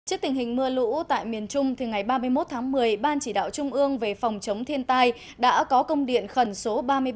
trước tình hình mưa lũ tại miền trung ngày ba mươi một tháng một mươi ban chỉ đạo trung ương về phòng chống thiên tai đã có công điện khẩn số ba mươi ba